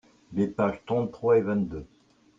les pages trente trois et vingt deux.